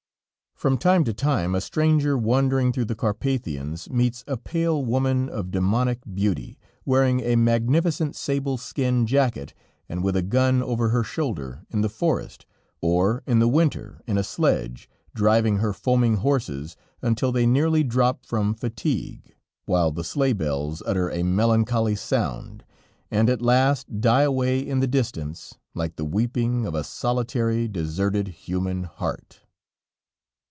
From time to time, a stranger wandering through the Carpathians, meets a pale woman of demonic beauty, wearing a magnificent sable skin jacket and with a gun over her shoulder, in the forest, or in the winter in a sledge, driving her foaming horses until they nearly drop from fatigue, while the sleigh bells utter a melancholy sound, and at last die away in the distance, like the weeping of a solitary, deserted human heart.